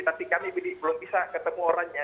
tapi kami belum bisa ketemu orangnya